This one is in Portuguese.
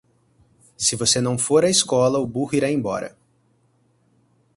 Se você não for à escola, o burro irá embora.